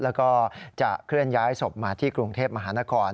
แล้วก็จะเคลื่อนย้ายศพมาที่กรุงเทพมหานคร